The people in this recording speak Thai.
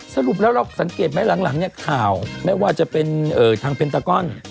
สรุปแล้วเราสังเกตไหมหลังเนี่ยข่าวไม่ว่าจะเป็นทางเพนตาก้อน